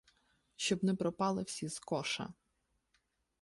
Щоб не пропали всі з коша.